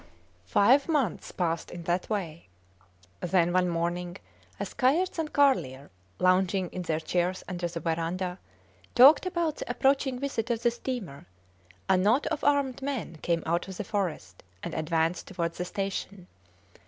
Five months passed in that way. Then, one morning, as Kayerts and Carlier, lounging in their chairs under the verandah, talked about the approaching visit of the steamer, a knot of armed men came out of the forest and advanced towards the station.